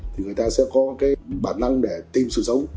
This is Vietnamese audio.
thì người ta sẽ có cái bản năng để tìm sự sống